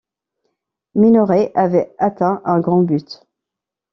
Minoret avait atteint un grand but.